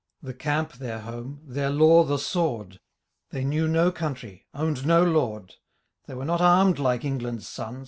The camp their home, their law the sword. They knew no country own'd no lord :' They were not arm*d like England's sons.